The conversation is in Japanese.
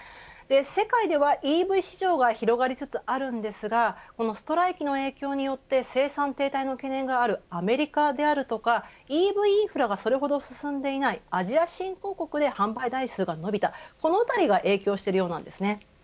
世界ではＥＶ市場が広がりつつあるんですがストライキの影響によって生産停滞の懸念があるアメリカであるとかＥＶインフラがそれほど進んでいないアジア新興国で販売台数を伸びたこのあたりが影響しているようなんです。